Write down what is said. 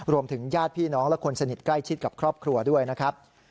ญาติพี่น้องและคนสนิทใกล้ชิดกับครอบครัวด้วยนะครับ